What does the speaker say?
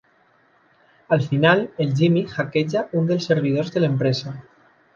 Al final, el Jimi hackeja un dels servidors de l'empresa.